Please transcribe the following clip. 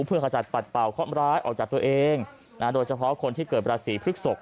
เพื่อขจัดปัดเป่าข้อร้ายออกจากตัวเองโดยเฉพาะคนที่เกิดราศีพฤกษก